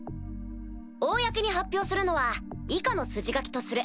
公に発表するのは以下の筋書きとする。